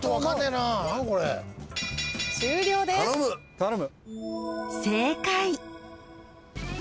頼む！